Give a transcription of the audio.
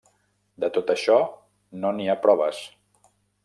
De tot això no n'hi ha proves.